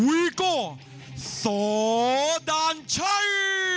วิโก้สดั่นชัย